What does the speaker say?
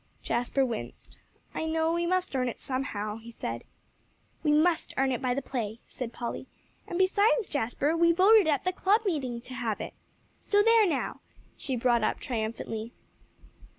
Jasper winced. "I know; we must earn it somehow," he said. "We must earn it by the play," said Polly. "And besides, Jasper, we voted at the club meeting to have it. So there, now," she brought up triumphantly.